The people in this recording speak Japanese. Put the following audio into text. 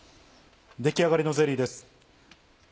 出来上がりのゼリーです。